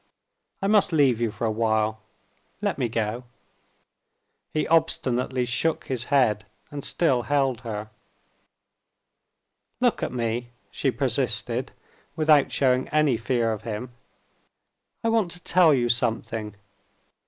I must leave you for a while. Let me go." He obstinately shook his head, and still held her. "Look at me," she persisted, without showing any fear of him. "I want to tell you something.